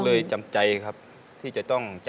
ก็เลยจำใจครับที่จะต้องจากลูก